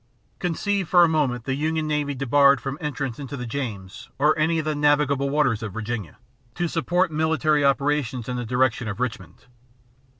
Conceive for a moment the Union navy debarred from entrance into the James or any of the navigable waters of Virginia, to support military operations in the direction of Richmond.